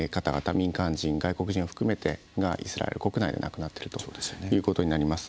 民間人、外国人を含めてがイスラエル国内で亡くなっているということになります。